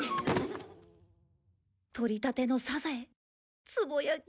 とりたてのサザエつぼ焼き。